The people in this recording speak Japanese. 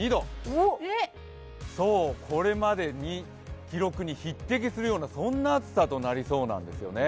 これまでの記録に匹敵するような暑さとなりそうなんですね。